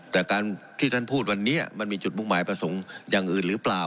แต่การที่ท่านพูดวันนี้มันมีจุดมุ่งหมายประสงค์อย่างอื่นหรือเปล่า